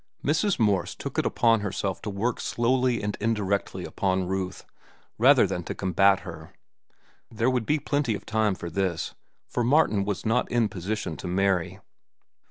Mrs. Morse took it upon herself to work slowly and indirectly upon Ruth, rather than to combat her. There would be plenty of time for this, for Martin was not in position to marry.